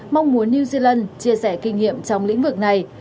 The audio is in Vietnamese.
mong muốn new zealand chia sẻ kinh nghiệm trong lĩnh vực này